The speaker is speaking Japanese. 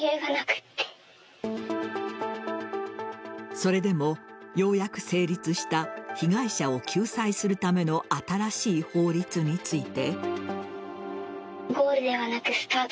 それでもようやく成立した被害者を救済するための新しい法律について。